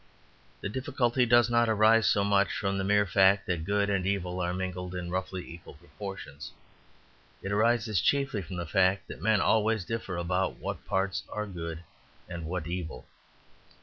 The difficulty does not arise so much from the mere fact that good and evil are mingled in roughly equal proportions; it arises chiefly from the fact that men always differ about what parts are good and what evil.